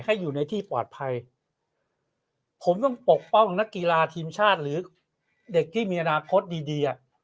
ให้อยู่ในที่ปลอดภัยผมต้องปกป้องนักกีฬาทีมชาติหรือเด็กที่มีอนาคตดีดีอ่ะ